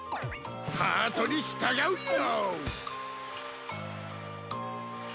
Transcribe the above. ハートにしたがうよ！